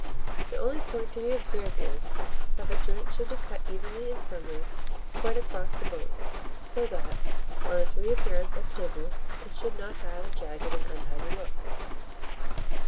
The only point to be observed is, that the joint should be cut evenly and firmly quite across the bones, so that, on its reappearance at table, it should not have a jagged and untidy look.